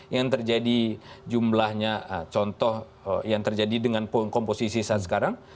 yang terjadi jumlahnya contoh yang terjadi dengan komposisi saat sekarang